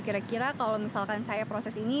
kira kira kalau misalkan saya proses ini